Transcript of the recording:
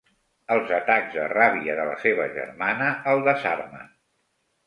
Els atacs de ràbia de la seva germana el desarmen.